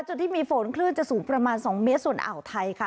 จุดที่มีฝนคลื่นจะสูงประมาณ๒เมตรส่วนอ่าวไทยค่ะ